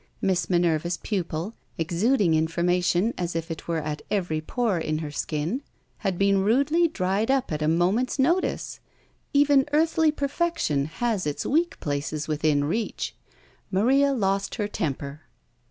Miss Minerva's pupil, exuding information as it were at every pore in her skin, had been rudely dried up at a moment's notice. Even earthly perfection has its weak places within reach. Maria lost her temper.